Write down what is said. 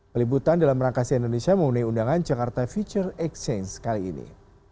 pelibutan dalam rangkasnya indonesia memenuhi undangan jakarta future exchange kali ini